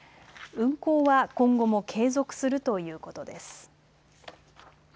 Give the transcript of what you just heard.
運航は今後も継続するということです。